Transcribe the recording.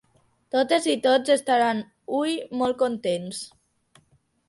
Totes i tots estaran hui molt contents.